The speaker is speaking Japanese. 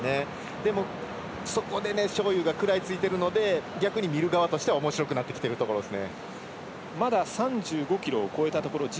でも、そこで章勇が食らいついてるので逆に見る側としてはおもしろくなってきているところですね。